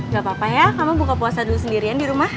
gak apa apa ya kamu buka puasa dulu sendirian di rumah